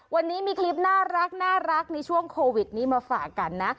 วันนี้มีคลิปน่ารักในช่วงโควิดนี้มาฝากกันนะ